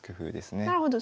なるほど。